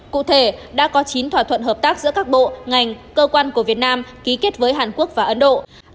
cụ thể đã có chín thỏa thuận hợp tác giữa các bộ ngành cơ quan của việt nam ký kết với hàn quốc và ấn độ